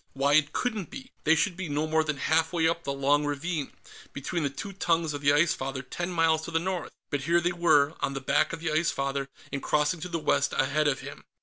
Why, it couldn't be! They should be no more than half way up the long ravine, between the two tongues of the Ice Father, ten miles to the north. But here they were, on the back of the Ice Father and crossing to the west ahead of him.